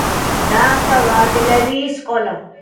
დაამთავრა არტილერიის სკოლა.